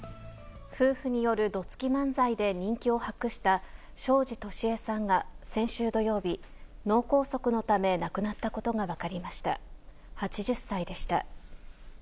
夫婦によるどつき漫才で人気を博した正司敏江さんが、先週土曜日、脳梗塞のため、亡くなったことが分かりました。